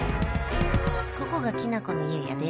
ここが、きなこの家やで。